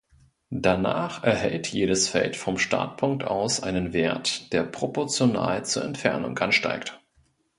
Danach erhält jedes Feld vom Startpunkt aus einen Wert, der proportional zur Entfernung ansteigt.